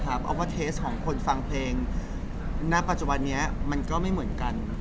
เพราะว่าเทสของคนฟังเพลงณปัจจุบันนี้มันก็ไม่เหมือนกัน